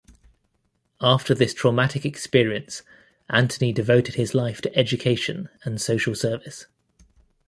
After this traumatic experience Antony devoted his life to education and social service.